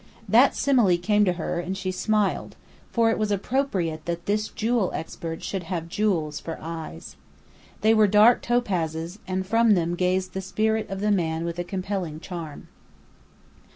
That simile came to her, and she smiled, for it was appropriate that this jewel expert should have jewels for eyes. They were dark topazes, and from them gazed the spirit of the man with a compelling charm.